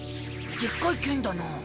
でっかい剣だな。